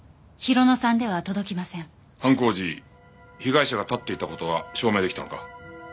犯行時被害者が立っていた事は証明出来たのか？